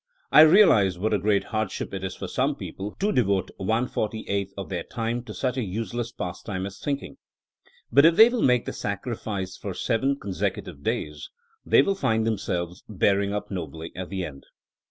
I realize what a great hardship it is for some people to devote one forty eighth of their time to such a useless pastime as think ing. But if they will make the sacrifice for seven consecutive days they will find themselves bearing up nobly at the end.